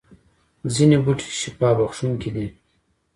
ځینې بوټي شفا بخښونکي دي